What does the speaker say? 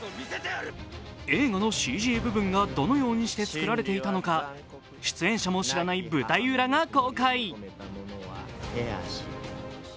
映画のＣＧ部分がどのようにして作られていたのか出演者も知らない舞台裏が公開。